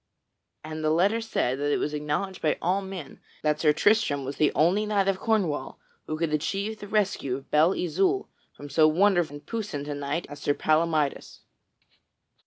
And the letter said that it was acknowledged by all men that Sir Tristram was the only knight of Cornwall who could achieve the rescue of Belle Isoult from so wonderful and puissant a knight as Sir Palamydes.